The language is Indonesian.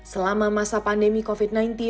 selama masa pandemi covid sembilan belas